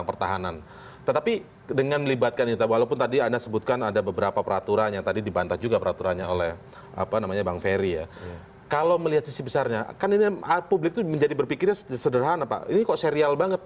nanti kita lanjutkan setelah jeda